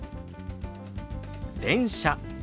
「電車」。